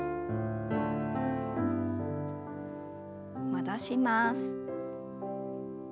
戻します。